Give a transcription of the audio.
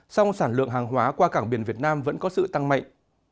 song sản lượng hàng hóa qua cảng biển việt nam vẫn có sự tăng mạnh